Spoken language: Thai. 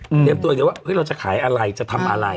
เตรียมตัวอย่างว่าเฮ้ยเราจะขายอะไรจะทำอะไร